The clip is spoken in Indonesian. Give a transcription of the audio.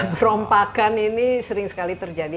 perompakan ini sering sekali terjadi